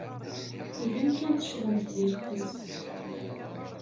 Iban kan teccḍemt deg lqis.